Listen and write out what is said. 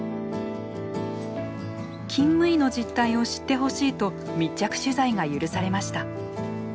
勤務医の実態を知ってほしいと密着取材が許されました。